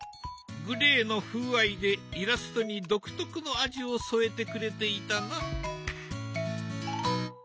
グレーの風合いでイラストに独特の味を添えてくれていたな。